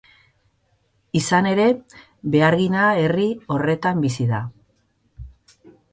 Izan ere, behargina herri horretan bizi da.